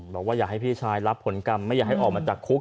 บอกว่าอยากให้พี่ชายรับผลกรรมไม่อยากให้ออกมาจากคุก